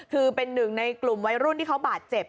คือเป็นหนึ่งในกลุ่มวัยรุ่นที่เขาบาดเจ็บ